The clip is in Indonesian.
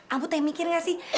ambu mikir gak sih